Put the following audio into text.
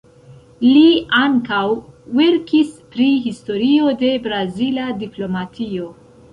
Li ankaŭ verkis pri historio de brazila diplomatio.